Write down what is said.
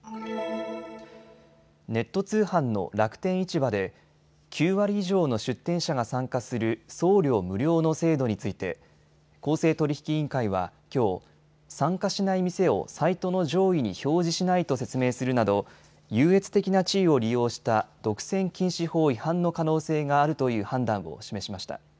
ネット通販の楽天市場で９割以上の出店者が参加する送料無料の制度について公正取引委員会はきょう、参加しない店をサイトの上位に表示しないと説明するなど優越的な地位を利用した独占禁止法違反の可能性があるという判断を示しました。